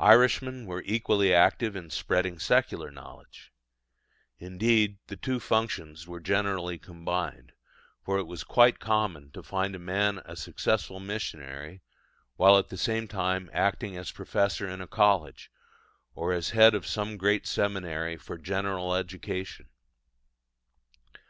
Irishmen were equally active in spreading secular knowledge. Indeed the two functions were generally combined; for it was quite common to find a man a successful missionary, while at the same time acting as professor in a college, or as head of some great seminary for general education.